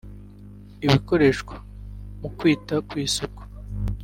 ibikoreshwa mu kwita ku isuku